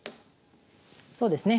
そうですね。